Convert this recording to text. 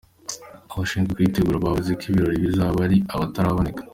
Abashinzwe kuyitegura bavuze ko ibi birori bizaba ari akataraboneka.